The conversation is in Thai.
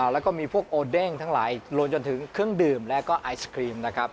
แล้วก็มีพวกโอเด้งทั้งหลายรวมจนถึงเครื่องดื่มแล้วก็ไอศครีมนะครับ